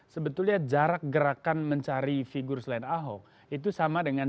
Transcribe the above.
sebetulnya jarak gerakan mencari figur selain ahok itu sama dengan